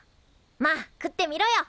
まあ食ってみろよ。